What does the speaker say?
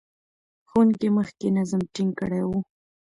ښوونکي مخکې نظم ټینګ کړی و.